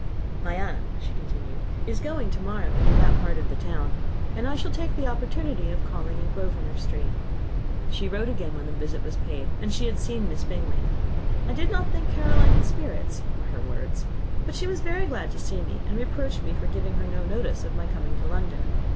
"My aunt," she continued, "is going to morrow into that part of the town, and I shall take the opportunity of calling in Grosvenor Street." She wrote again when the visit was paid, and she had seen Miss Bingley. "I did not think Caroline in spirits," were her words, "but she was very glad to see me, and reproached me for giving her no notice of my coming to London.